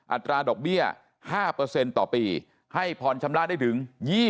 อัตราดอกเบี้ย๕เปอร์เซ็นต์ต่อปีให้ผ่อนชำระได้ถึง๒๐ปี